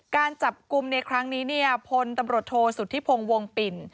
การจับกลุ่มในครั้งนี้พลตำรวจโทสุทธิพงวงปิ่น